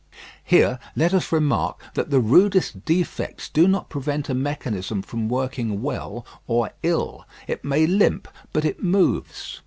Here let us remark, that the rudest defects do not prevent a mechanism from working well or ill. It may limp, but it moves.